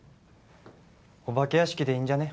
お化け屋敷でいいんじゃね？